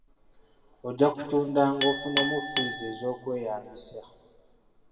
Ojja kutundanga ofunemu ffiizi n'ez'okweyambisa.